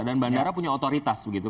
dan bandara punya otoritas